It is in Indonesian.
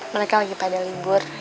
mereka lagi pada libur